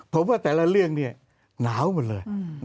ผมว่าแต่ละเรื่องนี้หนาวหมดเลย